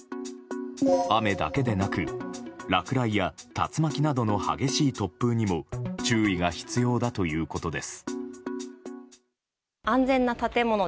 雨だけでなく落雷や竜巻などの激しい突風にも注意が必要だということです。